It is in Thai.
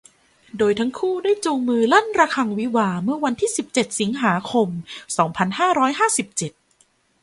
โดยทั้งคู่ได้จูงมือลั่นระฆังวิวาห์เมื่อวันที่ สิบเจ็ด สิงหาคม สองพันห้าร้อยห้าสิบเจ็ด